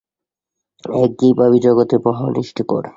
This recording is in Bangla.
একঘেয়ে ভাবই জগতে মহা অনিষ্টকর।